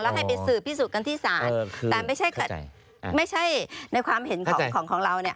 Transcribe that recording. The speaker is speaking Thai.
ไม่ใช่ไปสื่อพิสูจน์กันที่สารแต่ไม่ใช่ในความเห็นของเราเนี่ย